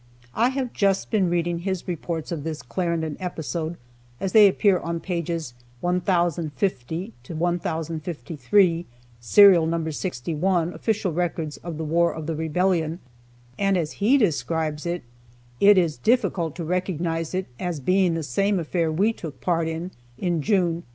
I have just been reading his reports of this Clarendon episode, as they appear on pages 1050 1053, Serial Number 61, Official Records of the War of the Rebellion, and as he describes it, it is difficult to recognize it as being the same affair we took part in, in June, 1864.